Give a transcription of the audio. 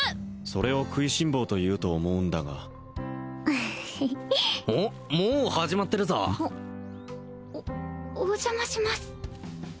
それを食いしん坊というと思うんだがフフフおっもう始まってるぞおお邪魔します